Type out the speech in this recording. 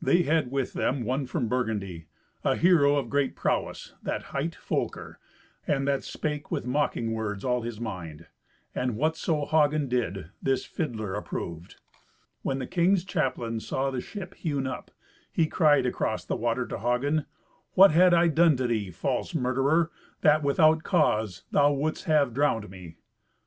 They had with them one from Burgundy, a hero of great prowess, that hight Folker, and that spake with mocking words all his mind. And whatso Hagen did, this fiddler approved. When the king's chaplain saw the ship hewn up, he cried across the water to Hagen, "What had I done to thee, false murderer, that, without cause, thou wouldst have drowned me?"